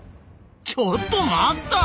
ちょっと待った！